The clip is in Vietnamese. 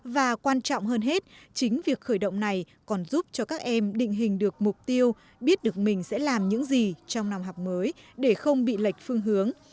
và quan trọng hơn hết chính việc khởi động này còn giúp cho các em định hình được mục tiêu biết được mình sẽ làm những gì trong năm học mới để không bị lệch phương hướng